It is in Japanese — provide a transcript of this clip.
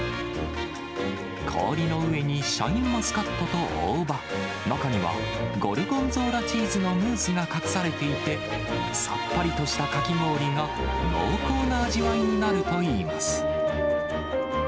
氷の上にシャインマスカットと大葉、中には、ゴルゴンゾーラチーズのムースが隠されていて、さっぱりとしたかき氷が、濃厚な味わいになるといいます。